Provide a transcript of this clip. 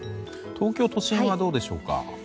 東京都心はどうでしょうか。